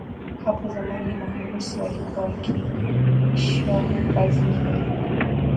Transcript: Hapo zamani maharusi walikuwa wakivishwa vazi hili